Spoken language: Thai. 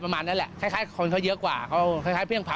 ประมาณนั้นแหละคล้ายคล้ายคนเขาเยอะกว่าเขาคล้ายคล้ายเพียงพร้อม